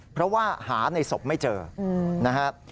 เพราะว่าหาในศพไม่เจอนะครับ